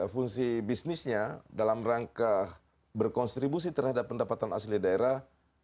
fungsi bisnisnya dalam rangka berkontribusi terhadap pendapatan asli daerah